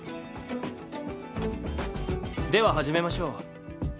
では始めましょう。